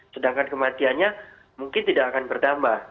sedangkan kematiannya mungkin tidak akan bertambah